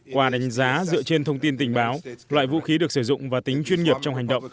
qua đánh giá dựa trên thông tin tình báo loại vũ khí được sử dụng và tính chuyên nghiệp trong hành động